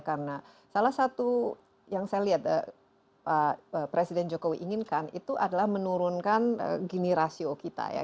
karena salah satu yang saya lihat presiden jokowi inginkan itu adalah menurunkan gini rasio kita ya